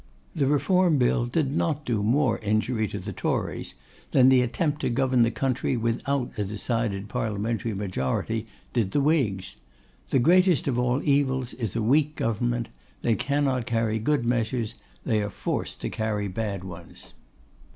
The Reform Bill did not do more injury to the Tories, than the attempt to govern this country without a decided Parliamentary majority did the Whigs. The greatest of all evils is a weak government. They cannot carry good measures, they are forced to carry bad ones.